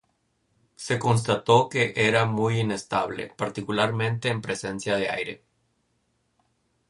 Se constató que era muy inestable, particularmente en presencia de aire.